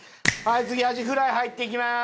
次アジフライ入っていきまーす。